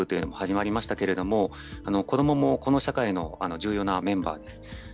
主権者教育というのも始まりましたけれども、子どももこの社会の重要なメンバーです。